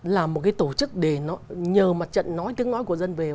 là một cái tổ chức để nhờ mặt trận nói tiếng nói của dân về